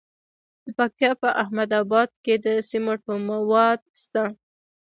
د پکتیا په احمد اباد کې د سمنټو مواد شته.